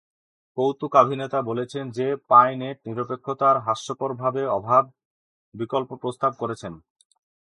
কৌতুকাভিনেতা বলেছেন যে পাই নেট নিরপেক্ষতার "হাস্যকরভাবে অভাব" বিকল্প প্রস্তাব করেছেন।